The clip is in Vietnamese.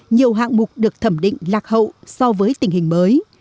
nhiều hạng mục được thẩm định lạc hậu so với tình hình mới